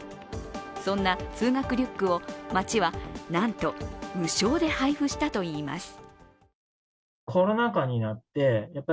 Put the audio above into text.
そんな通学リュックを町はなんと無償で配布したといいます。